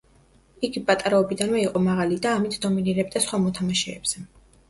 იგი პატარაობიდანვე იყო მაღალი და ამით დომინირებდა სხვა მოთამაშეებზე.